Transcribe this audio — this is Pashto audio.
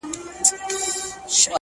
خو د نوکانو په سرونو کي به ځان ووينم”